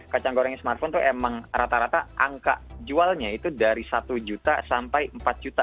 kacang goreng smartphone itu emang rata rata angka jualnya itu dari satu juta sampai empat juta